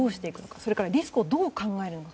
それからリスクをどう考えるのか。